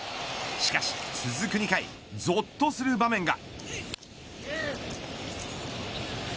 しかし、続く２回ぞっとする場面が。